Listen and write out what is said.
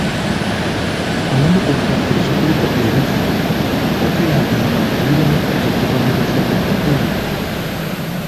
Obumu ku bukwakkulizo kuliko ebivvulu, Okello agamba nti birina kutegekebwa mu bifo bya wabweru.